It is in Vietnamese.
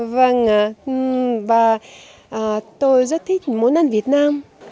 và tôi rất thích muốn ăn việt nam